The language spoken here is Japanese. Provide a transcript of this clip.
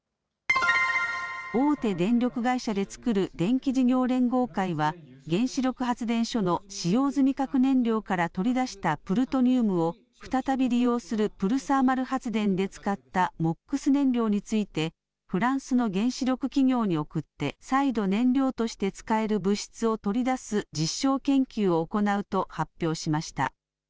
大手電力会社で作る電気事業連合会は、原子力発電所の使用済み核燃料から取り出したプルトニウムを再び利用するプルサーマル発電で使ったＭＯＸ燃料について、フランスの原子力企業に送って、再度燃料として使える物質を取り出す実証研究を行うと発表しました。